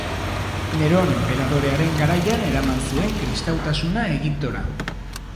Neron enperadorearen garaian eraman zuen kristautasuna Egiptora.